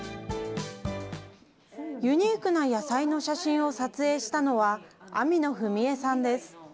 ユニークな野菜の写真を撮影したのは、網野文絵さんです。